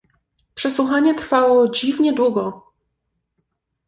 "Przesłuchanie trwało dziwnie długo."